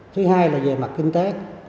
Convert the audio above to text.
thứ hai là về mặt kinh tế